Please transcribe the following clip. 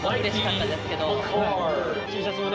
Ｔシャツもね。